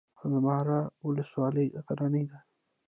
المار ولسوالۍ غرنۍ ده؟